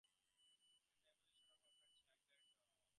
The envelope is then opened to check that they have read it correctly.